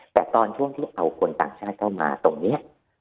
แต่ตอนช่วงที่เอาคนต่างชาติเข้ามาตรงนี้